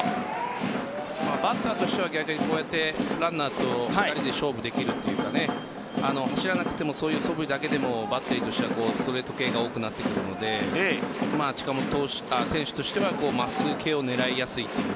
バッターとしては逆にこうやってランナーと２人で勝負できるというか走らなくてもそういうそぶりだけでもバッテリーとしてはストレート系が多くなってくるので近本選手としては真っすぐ系を狙いやすいという。